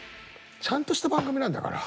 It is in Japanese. ちゃんとした番組なんだから。